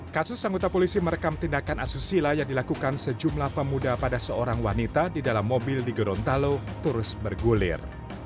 kasus anggota polisi merekam tindakan asusila yang dilakukan sejumlah pemuda pada seorang wanita di dalam mobil di gorontalo terus bergulir